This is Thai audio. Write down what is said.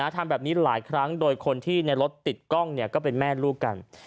ทำแบบนี้หลายครั้งโดยคนที่ในรถติดกล้องก็เป็นแม่ลูกกัน